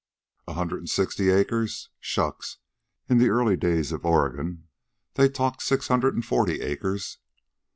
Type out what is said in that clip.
A hundred an' sixty acres? Shucks. In the early days in Oregon they talked six hundred an' forty acres.